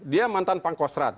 dia mantan pangkosrat